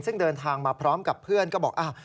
ซึ่งเดินทางมาพร้อมกับเพื่อนก็บอก